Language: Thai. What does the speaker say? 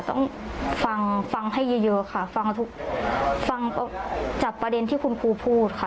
ต้องฟังให้เยอะค่ะฟังจากประเด็นที่คุณครูพูดค่ะ